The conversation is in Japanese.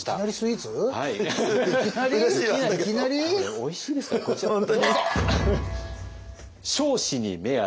おいしいですからこちらどうぞ！